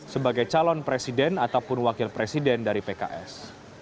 sebagai calon presiden ataupun wakil presiden dari pks